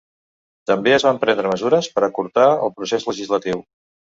També es van prendre mesures per acurtar el procés legislatiu.